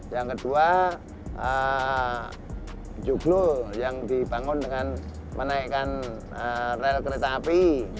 yang kedua juglo yang dibangun dengan menaikkan rel kereta api